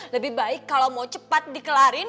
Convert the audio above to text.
lebih baik kalau mau cepat dikelarin